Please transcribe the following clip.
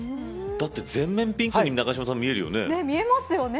だって、全面ピンクに見えるよね。